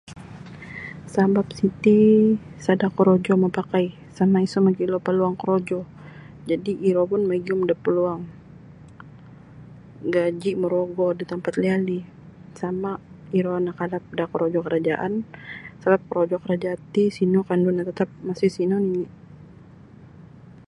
Sabap siti sada' korojo mapakai sama' isa mogilo peluang korojo jadi' iro pun magiyum da peluang gaji' morogo da tampat liali sama' iro nakalap da korojo kerajaan sabap korojo kerajaan ti sino kandu tetap misti' sino nini'.